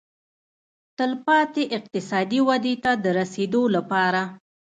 تلپاتې اقتصادي ودې ته د رسېدو لپاره.